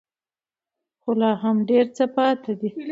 خو لا هم ډېر څه پاتې دي.